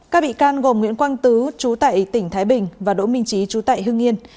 các bị can gồm nguyễn quang tứ chú tại tỉnh thái bình và đỗ minh trí chú tại hương yên